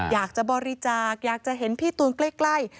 อยากจะบริจาคอยากจะเห็นพี่ตูนใกล้